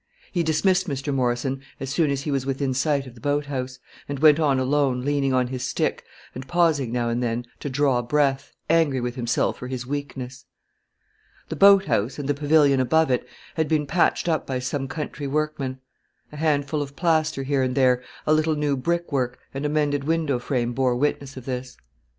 He dismissed Mr. Morrison as soon as he was within sight of the boat house, and went on alone, leaning on his stick, and pausing now and then to draw breath, angry with himself for his weakness. The boat house, and the pavilion above it, had been patched up by some country workmen. A handful of plaster here and there, a little new brickwork, and a mended window frame bore witness of this.